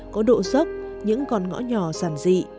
có độ rớt những con ngõ nhỏ giản dị